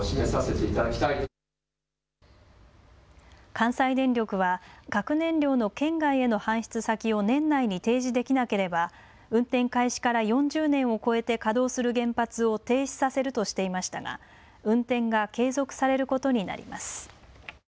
関西電力は核燃料の県外への搬出先を年内に提示できなければ運転開始から４０年を超えて稼働する原発を停止させるとしていましたが運転が継続されることになります。